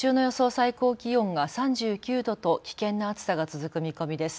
最高気温が３９度と危険な暑さが続く見込みです。